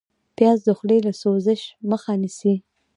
پیاز د خولې له سوزش مخه نیسي